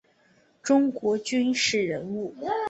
中国军事人物。